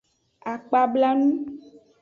Akpablanu.